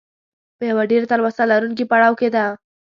په یوه ډېره تلوسه لرونکي پړاو کې ده.